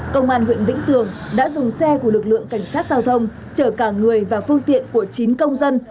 công an huyện vĩnh tường đã dùng xe của lực lượng cảnh sát giao thông chở cả người và phương tiện của chín công dân